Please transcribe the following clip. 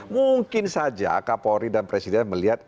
mungkin saja kapolri dan presiden melihat